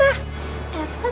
eva mau makan